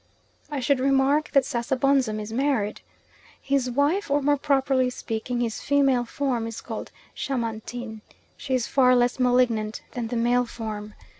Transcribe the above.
I should remark that Sasabonsum is married. His wife, or more properly speaking his female form, is called Shamantin. She is far less malignant than the male form.